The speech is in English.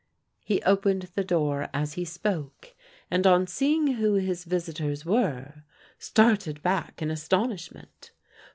He opened the door as he spoke, and on seeing who his visitors were, started back in astonishment.